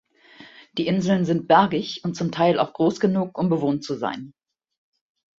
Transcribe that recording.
Die Inseln sind bergig und zum Teil auch groß genug, um bewohnt zu sein.